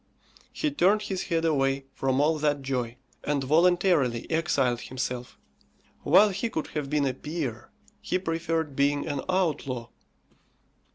He turned his head away from all that joy, and voluntarily exiled himself. While he could have been a peer, he preferred being an outlaw.